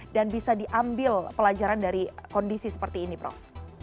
dan bisa diambil pelajaran dari kondisi seperti ini prof